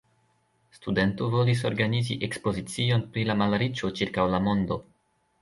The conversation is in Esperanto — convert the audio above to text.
Studento volis organizi ekspozicion pri la malriĉo ĉirkaŭ la mondo.